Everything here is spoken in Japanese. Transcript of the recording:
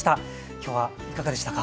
きょうはいかがでしたか？